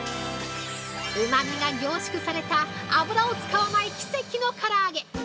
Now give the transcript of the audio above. うまみが凝縮された、油を使わない奇跡のから揚げ！